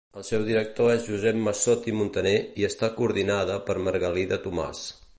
El seu director és Josep Massot i Muntaner i està coordinada per Margalida Tomàs.